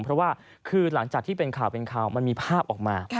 เพราะว่าคือหลังจากที่เป็นข่าวเป็นข่าวมันมีภาพออกมา